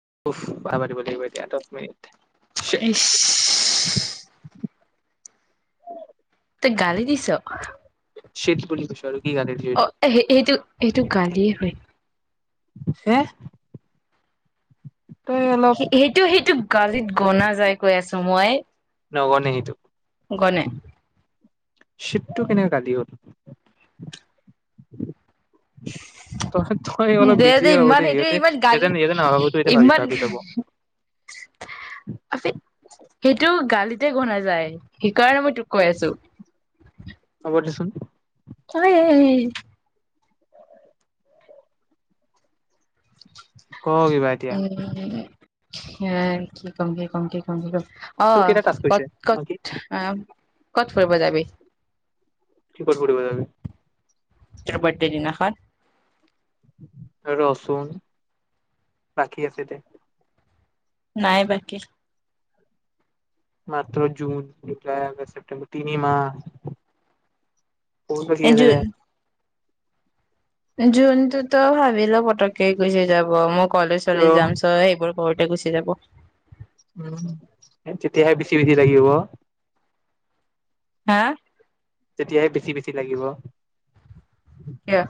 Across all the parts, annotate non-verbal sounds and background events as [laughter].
[inaudible] কথা পাতিব লাগিব এতিয়া দহ মিনিট। শীত। ইচ [unintelligible] গালি দিছ? ছিট বুলি কৈছো আৰু কি গালি দিছো এইটো। এইটো গালিয়ে হয়। হে? তই স অলপ সেইটো-সেইটো গালিত গনা যায়। কৈ আছো মই নগ নে হেইটো গনে শীতটো কেনেকৈ গালি হল? ত তই অলপ দে বেজি যে ভাবহ ইমান দেই, সেইটোৱে ইহতে ইমান সতে গালি সহতে নভাব তয়া ভাবি ইমান ভাবি লব সেইটো গালিতে গনা যায় সেইকাৰণে মই তোক কৈ আছো। ক চোন [unintelligible] ক কিবা এতিয়া। হ কি কম-কি কম-কি কম-কি কম অ তোৰ কেইটা টাস্ক হৈছে ক'ত-ক'ত বাকী আহ কত ফুৰিব যাবি? কত ফুৰিব যাবি? টোৰ বাৰ্থডে দিনাখন? ৰচুন, বাকী আছে দে। নাই বাকী। [unintelligible] জুন, জুলাই, অগষ্ট, ছেপ্টেম্বৰ, তিনি মাহ। [unintelligible] জোনটো তই ভাবিলঃ পতকে গুচি যাব মোক কলেজ ত' চালি যাম চ সেইবোৰ ঘৰতে গুচি যাব। উম তেতিয়াহে বেছি-বেছি লাগিব হা? তেতিয়াহে বেছি-বেছি লাগিব। কিয়?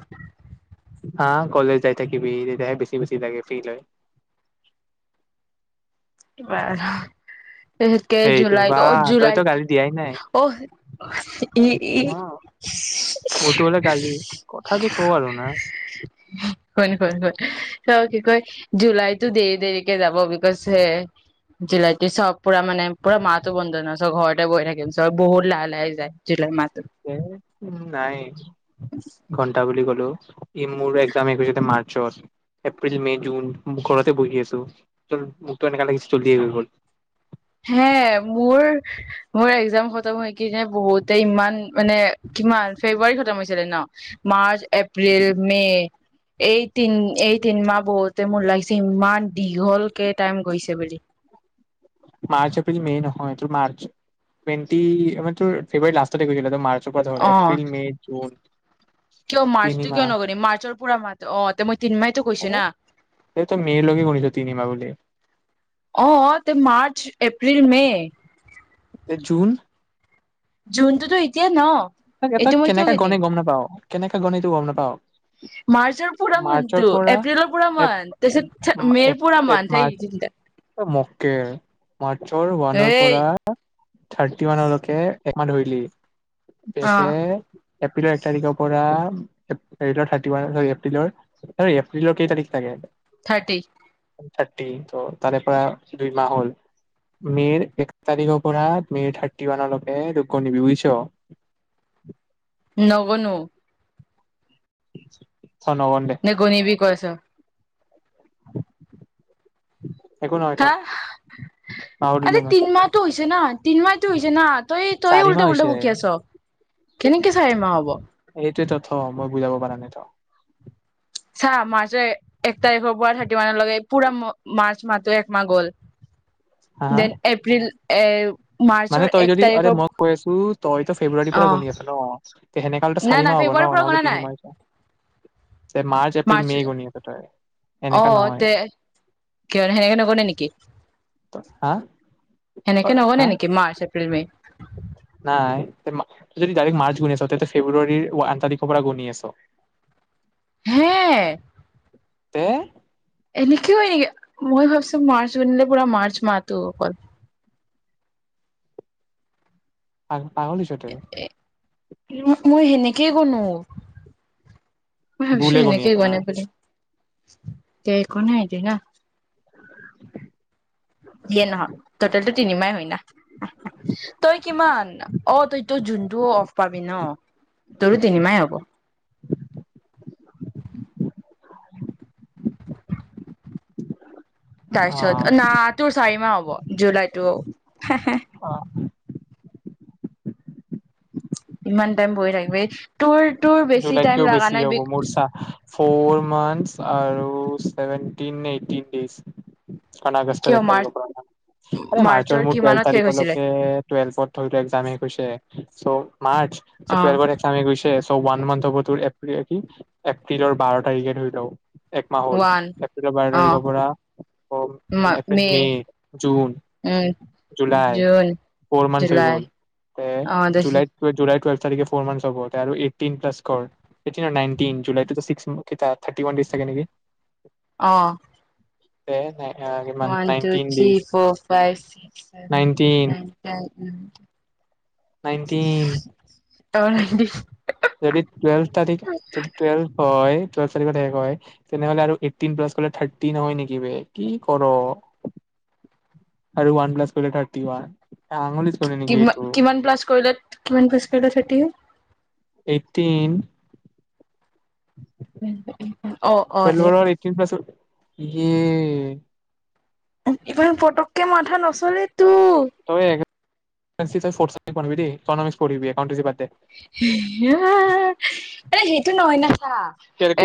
হা কলেজ যাই থাকিবি তেতিয়া হে বেছি-বেছি লাগে ফিল হয়। অঁ অঁ সেইটো বা জুুলাইটো অ জুুলাই তইতো গালি দিয়াই নাই অ এ অ মোৰতো হলে গালি কথা যে কওঁ আৰু না উ হয় কি কয় জুলাইতো দেৰি দেৰিকে যাব বুলি কৈছে হে জুলাই চব পুৰা মানে পুৰা মাহ বন্ধ নহয় চব ঘৰতে বৈ থাকিম চব বহুত লাহে লাহে যায় জুলাই মাহ উ নাই ঘন্টা বুলি কলো ই মোৰ এক্জাম শেষ হৈছে মাৰ্চত এপ্ৰিল মে জুন ঘৰতে বহি আছো মোৰতো এনেকা লাগিচে জল্দি আহি গ'ল হে মোৰ মোৰ এক্জাম খতম হৈ কিনে বহুতে ইমান মানে কিমান ফেব্ৰুৱাৰী খতম হৈছিলে ন মাৰ্চ এপ্ৰিল মে এই তিন এই তিনমাহ বহুতে মোৰ লাগিছে ইমান দীঘলকে টাইম গৈছে বুলি মাৰ্চ এপ্ৰিল মে নহয় তোৰ মাৰ্চ মানে তোৰ ফেব্ৰুৱাৰী লাষ্টত গৈছিল মাৰ্চ কথা অ হল এপ্ৰিল মে' জুন কিয় মাৰ্চটিক কিয় তিনিমাহ নকৰৰি মাৰ্চৰ পুৰা মাত অ মই তিনিমাইতো কৈছো আৰে না তই মে লৈকে গণিছ তিনিমাহ বুলি আহ অ মাৰ্চ এপ্ৰিল মে জুন জোনটোতো এতিয়া ন এটা ক এইটো তই মই কিয় কেনেককাে কিনিম গণে গম নোপাও কেনেকে গণিনে গম নাপাওঁ মাৰ্চৰ পুৰা মানতটো এপ্ৰিলৰ পৰা এপ মানটো তাৰপিছত মা মে এপ পৰা এপ মান সেই মাৰ্চ তিনিটা মকেৰ মাৰ্চৰ ওৱানৰ এই পৰা থাৰ্টি ওৱানলৈকে একমা ধৰিলি অ পেপে এপ এপ্ৰিলৰ এক তাৰিখৰ পৰাপৰ এপ্ৰিলৰ কেই তাৰিখ চাগে থাৰ্টি থ্ট ত তাৰে পৰা দুই মাহ হল মে'ৰ এক তাৰিখৰ পৰা মে'ৰ থাৰ্টি ওৱানলৈকে দোগ্্য নিবি বুজিছ নগনু ওচুৰু ন গণবি কৈছ একো নহয় হা থ পাহৰিলো আৰে মই তিন মাহটো হৈছে না তনমাহতো হৈছে না তই তই চাৰি মাহ উল্টা উল্টটা হৈছে বুকি আছ কেনেকে চাইিমা হ'ব ত তথ মই বুজাব পাৰা নাই ত চাহ মাৰ্চৰ এক তাৰিখৰ পৰা থাৰ্টি ওৱানলৈকে পুৰা মাৰ্চ মাহটো একমাহ গল হা হা দেন এপ্ৰিল এই মানে তই যদি আৰে মই কৈ আছো তইতো ফেব্ৰুৱাৰীৰ অ পৰা গুনি আছ ন সেনেকাহলে তো নাই চাৰি নাই মাহ হ'ব ফেব্ৰুৱাৰীৰ ন পৰা গনা নহ'লে নাই তিনিমাহ মাৰ্চ অ এনেকা নহয় তে ক সেনেকে নকনে নেকি হা অ, এনেকে হা নবনে নেকি মাৰ্চ এপ্ৰিল এপ্ৰিল মে নাই যদি ডাইৰেক মাৰ্চ গুনি আছ তেনে ফেব্ৰুৱাৰী আঠ তাৰিখৰ পৰা গুণি আছ হে তে এনেকে হয় নেকি মই ভাবছো মাৰ্চ বনিলে পুৰা মাৰ্চ মাতো অকল হয় পাগল হৈছ ত তই মই সেনেকেই কনো মই ভাবিছো ভুলে গুনি এনেকেই আছ না গনে বুলি তে এক নে আহিলী না দিয়ে নহয় টটেলটো তিনিমাই হয় না তই কিমান অ তইটো জুনটো অফ পাবি ন তোৰো তিনিমাই হব অ তাৰপিছত না তোৰ চাৰি মাহ হ'ব, জুলাইতটো হে-হে অ ইমান টাইম বহি থাকিব তোৰ-তোৰ বেছি জুলাইতকেও টাইম লগা বেছি নাই হ'ব বি মোৰ চা ফ'ৰ মান্থ আৰু সেভেনটিন নে এইটিন ডেজ। আগষ্টৰ কিয় এক তাৰিখৰ মাৰ্চ পৰা আমাৰ, অৰে মাৰ্চৰ মোৰ টোৱেলভে কিমানত শেষ তাৰিখকঅৰ হৈছিলে লৈকে টোৱেলভেওত ধৰিলহ একজাম শেষ হৈছে চ' মাৰ্চ অ টুৱেলভৰ একজাম শেষ হৈছে ওৱান মান্থ হ'ব তোৰ এপ্ৰ-এপ্ৰ এ কি এপ্ৰিলৰ বাৰ তাৰিখে ধৰি লব এক মাহ হ'ল ওৱান এপ্ৰিলৰ বাৰ অ তাৰিখৰ পৰা April, May, June, um July, June four month হৈ জুলাই গ'ল। তে, অ তাৰপিছত জুলাই-জুলাই টুৱেলভ ফ'ৰ মন্থ হব, তাআৰু তিন প্লাছ কৰ, এতিয়া নাইনটিন জুলাইত চিক চাৰটি ওৱান চাগে নেকি আহ সয় নাই? One two three four five six seven এই নাইনটিন নাইন টেন নাই নাইনটিন। অ নি [unintelligible] যদি টুৱেলভ তাৰিখ যদি টুৱেলভ হয় [unintelligible] তেনেহলে আৰু এইটেইন প্লাছ কৰিলে থিৰ্তী নহৈ নেকি বে? কি কৰোঁ? আৰু ওৱান প্লাছ কৰিলে ঠিৰ্তী ওৱান। আঙুলিত কৰে নেকি এইটো কিমান-কিমান প্লাছ কৰিল, কিমান প্লাছ কৰিলে থাৰ্তি হৈ? এইটিন। উ-উ অ-অ দে। ই। ইমান পতককে মাথা নচলিত [unintelligible] [unintelligible] দেই, ইকনমিক্স পহিবি, [unintelligible] এ সেইটো নহয় ন চা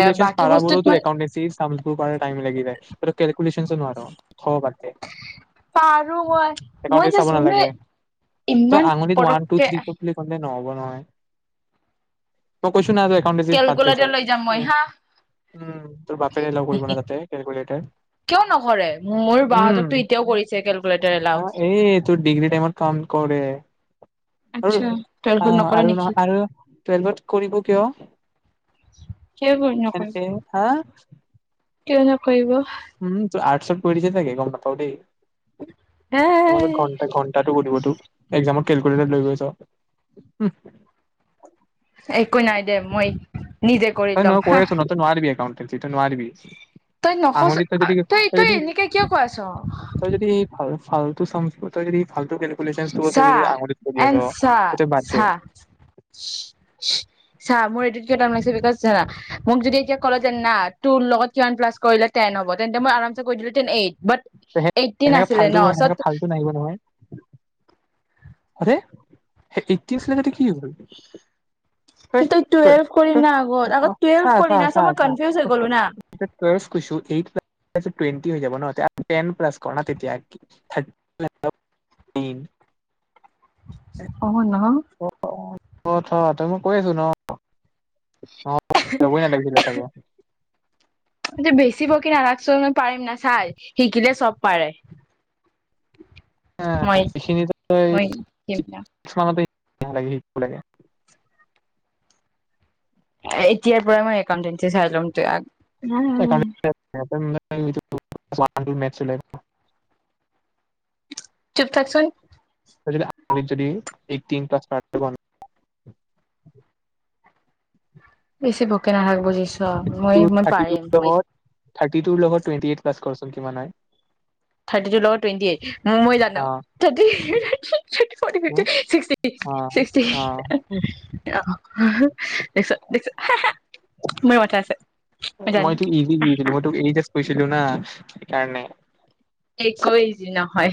এ বাকী পাৰা বস্তুত বোৰো তেওঁৰ মানে একাউণ্টেন্সী সুম বোৰ কৰাৰ টাইম লাগি জাই, তই টো কলকুলেচন নোৱাৰোঁ। হ'ব বাদ দেশ। পাৰো মই মই একাউণ্টেন্সী চাব জাষ্ট মানে নালাগে, তই ইমান আঙুলিত ওৱান, টো, পটককে থ্ৰী [unintelligible] নব নহয়? [unintelligible] একাউণ্টেন্সী বাদ দেশ কেলকুলেটাৰ তই। লৈ যাম মই উ হা তোৰ বাপেৰে অলৌ কৰিব ন তাতেট কেলকুলেটাৰ, কিয় নকৰে মোৰ বাহঁতকতো এতিয়াও কৰিছে কেলকুলেটাৰ এলাও উ' এই তোৰ ডিগ্ৰীটাইমত ক কৰে। আচ্ছা অ তোৰখন নকৰে আৰু নহ নেকি আৰু টুৱেলভত কৰিব কিয়? কিয় [inaudible] নকৰে এনেকে হা কিয় নকৰিব উম তু আৰ্টছত পঢ়িছেল চাগে গম নাপাও দেই হে তোমোক ঘন্টা ঘন্টাটো কৰিবতোক এক্জামত কেলকুলট লৈ গৈছ একো নাই দে মই নিজে কৰি হয় ন ল'ম কৈ হা আছোন ন ত নোৱাৰিবি এ সিটো নোৱাৰোৱাৰবিি তই নসচ আঙুুলি তই যদি তই যদি এনেকে কিয় কৈ আছ তই যদি ভালতো সমিিবা যদি ফালতু কেলকুলেচন বোৰ তই চা যদি আঙুলিত কৰি এন আছ চাহ তই বাদ দে চাহ চা মোৰ এইটোত কটাম লাগছে বিকজ মোক যদি এতিয়া ক'লে যে না তো লগত ৱান প্লাছ কৰিলে টেন হ'ব তেন্তে মই আম কৰি দিলো এইট এইটিন সেনেে ফাল আছিলে ন চ সেনেকে ফাল্টো নাহিব নহয় আৰে এইদি কি হল তই টুৱেলভ কৰি না আগত আগত টুৱেলভ চা কৰি চা না চ মই চা কনফিউজ হৈ গলো না টেণ্টি হৈাব ন টেন প্লছ কণ থি হাকি থ [unintelligible] অ ন অ অ অ থ থ মই কৈ আছো ন অ চবই নালাগিছিলে চাগে তে বেছিিব বকি নাৰাখ চ পাৰিম না চাই শিকিলে চব পাৰে আহ মই এইখিনি মই শিকিম না [unintelligible] ন লাগে শো লাগে এতিয়াৰ পৰা মই একাউটেঞ্চ চাই লম ত [unintelligible] ত [unintelligible] সিহঁতৰ মানে মে চলাই [unintelligible] চুপ থাকচোন যদি আ যদি এইটিন প্লাছ [unintelligible] বেচি বকি নাথাক বুচি তোৰ থাৰ্টিতু যাব, থাৰ্টি টু লগত টুৱেন্টী এইড্ প্লাছ কৰ ন কিমান হয় থাৰ্টি টু লগত টুৱেণ্টি এইট অ অ', অ', মই তোক [unintelligible] সেই কাৰণে একো ইজি নহয়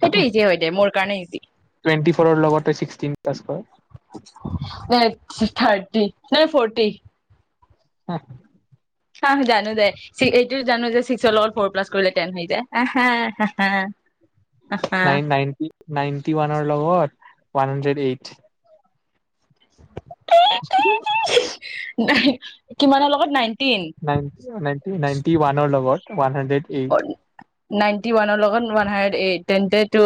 সেইটো ইজি হয় দে মোৰ কাৰণে ইজি টুৱেন্টি ফৰৰ লগতে ছিক্সটিন প্লাচ কৰ। ন থাৰ্টি নে ফৰ্টি অ', হ জানো দে এইটো জানো যে ছিক্সৰ লগত ফ'ৰ প্লাছ কৰিলে টেন হৈ যায় অ'হে- হে-হে। নাইন নাইনটি -নাইনটি ওৱানৰ লগত।। ওৱান হাণ্ড্ৰেড এইট [inaudible] [inaudible] নাই কিমানৰ লগত নাই।। নাইণ নাইণ্টি নাইণ্টি ৱানৰ লগত ৱান হান্দ্ৰেড এইথ নাইনটি ৱানৰ লগত ৱান হাডড এই তে নট ট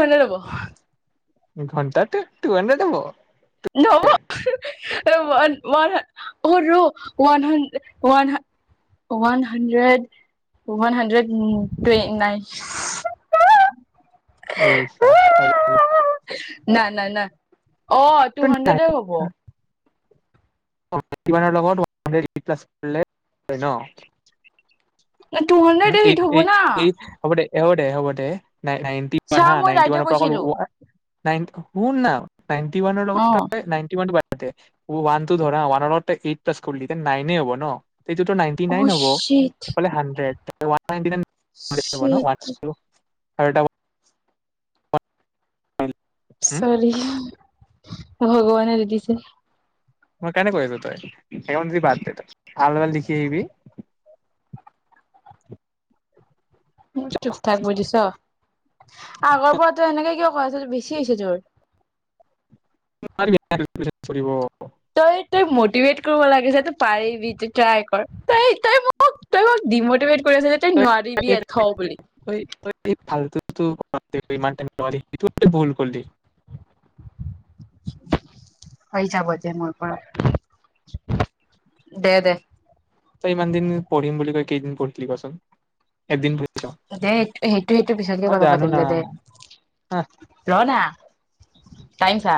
হাড হ'ব [unintelligible] ঘণ্টাতে টো সান্দ্ৰেড হব। ৱ ৰ ও হ ও one hundred -one hundred nine [unintelligible] এইছা হয় বোলে। ন - ন- ন অ টু হাণ্ড্ৰেডে হ'ব। নাইনটি [inaudible] এ'', টু সানড্ৰেড এইট হব না। এইট হ'ব দে হ'ব দে হ'ব দে। নাইন্টি পৰা চা হা মই নাইন্টি ৰাইটে ওৱানৰ কৈছিলো পৰা নাইন সোণ না নাইনটি ৱানৰ লগত অ' তই নাইনটি ৱানটো বাদ দি। ওৱান টো ধৰা ওৱানৰ লগত তই এইট প্লাছ কৰিলি নাইনে হ'ব ন। এইটোতো নাইনটি নাইন অ' হ'ব চিট সেইফাল হানড্ৰেড। [unintelligible] চিট [inaudible] হয়াৰটা উম চৰি ভগৱানে দি দিছে। মই কনে কৰিছ তই স যদি বাদ দে আলাল লিখি আহবি মোক চুপ থাকিব দিছ আগৰ পৰাতো এনেকে কিয়? [unintelligible] [inaudible] তই -তই মটিভেট কৰিব লাগিছে তই পাৰিবি তই ট্ৰাই কৰ তই -তই মোক তই মোক ডিমটিভেট কৰি আছ যে। তে তই নোৱাৰিব এ খও বুলি ভাল টো টো ইমান টাইম ভুল কৰিলি। পই যাবজ মোৰ পৰা দে, দে তই ইমান দিন পঢ়িম বুলি কৈ কেইদিন পঢ়িছিলি কচোন এদিন পঢ়িছ দে স সেইটো সেইটো পিছতকে মই কথা জানো পাতিম না দে দে হা ৰ নাইম চা